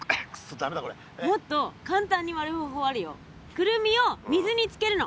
クルミを水につけるの。